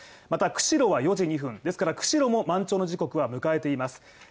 また釧路は４時２分ですから釧路満潮の時刻は迎えています。